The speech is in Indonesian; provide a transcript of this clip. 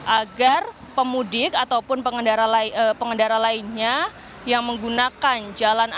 agar pemudik ataupun pengendara lainnya yang menggunakan jalan